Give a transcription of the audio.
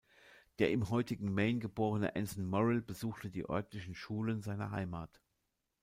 Der im heutigen Maine geborene Anson Morrill besuchte die örtlichen Schulen seiner Heimat.